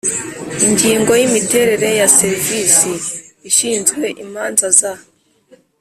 Ingingo ya Imiterere ya Serivisi ishinzwe imanza za